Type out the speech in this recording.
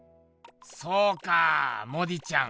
そうかモディちゃん